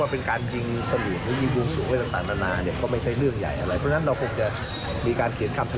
เสร็จแล้วก็จะกลับไปก็จะเมื่อการเลิกต่อ